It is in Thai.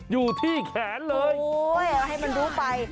อยู่ที่แขนเลยโอ้ยเอาให้มันรู้ไป